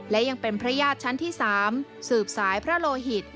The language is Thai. และยังเป็นพระญาติชั้นที่๓สืบสายพระโลหิต